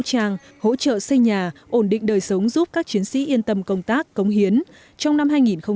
trang hỗ trợ xây nhà ổn định đời sống giúp các chiến sĩ yên tâm công tác cống hiến trong năm